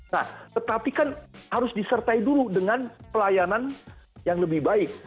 nah tetapi kan harus disertai dulu dengan pelayanan yang lebih baik